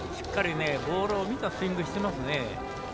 ボールを見たスイングしていますね。